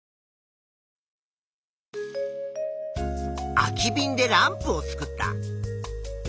空きびんでランプを作った。